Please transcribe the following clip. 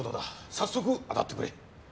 早速当たってくれ。